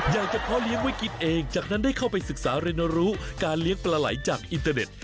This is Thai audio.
เฉพาะเลี้ยงไว้กินเองจากนั้นได้เข้าไปศึกษาเรียนรู้การเลี้ยงปลาไหลจากอินเตอร์เน็ต